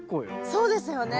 そうですよね。